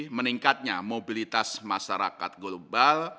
meningkatnya mobilitas masyarakat global